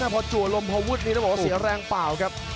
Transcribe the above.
พอจั่วลมเพราะวุฒนี้รู้สึกเสียแรงเปล่าครับ